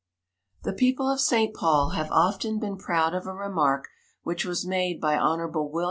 The people of St. Paul have often been proud of a remark which was made by Hon. Wm.